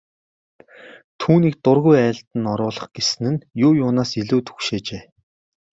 Түүнийг дургүй айлд нь оруулах гэсэн нь юу юунаас ч илүү түгшээжээ.